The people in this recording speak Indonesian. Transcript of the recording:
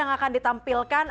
yang akan ditampilkan